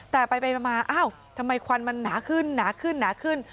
แต่ไปมาทำไมควันมันหนาขึ้น